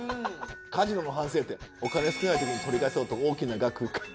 「カジノの反省点」「お金少ないときに取りかえそうと大きな額かけがち」